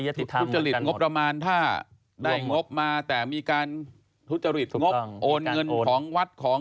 ทุจริตงบประมาณถ้าได้งบมาแต่มีการทุจริตงบโอนเงินของวัดของ